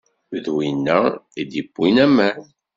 D winna i d-iwwin aman